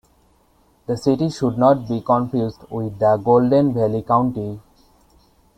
The city should not be confused with the Golden Valley County.